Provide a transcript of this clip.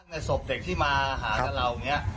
ในศพเด็กที่มาหากับเราอย่างนี้